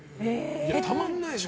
たまんないでしょ